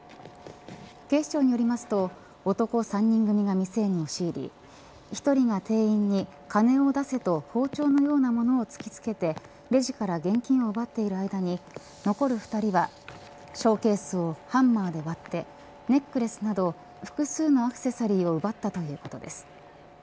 警視庁によりますと、男３人組が店に押し入り、１人が店員に金を出せと包丁のようなものを突き付けてレジから現金を奪っている間に残る２人はショーケースをハンマーで割ってネックレスなど複数のアクセサリーを奪ったということです。